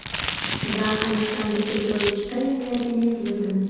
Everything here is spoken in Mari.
Да, Александр Петрович тыйын нергенет йодын.